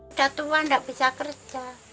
sudah tua tidak bisa kerja